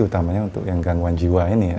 utamanya untuk yang gangguan jiwa ini ya